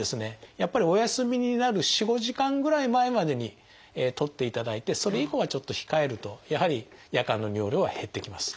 やっぱりお休みになる４５時間ぐらい前までにとっていただいてそれ以降はちょっと控えるとやはり夜間の尿量は減ってきます。